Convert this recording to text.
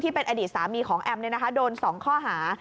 เป็นอดีตสามีของแอมโดน๒ข้อหา